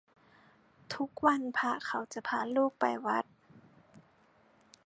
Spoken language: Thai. ทุกวันพระเขาจะพาลูกไปวัด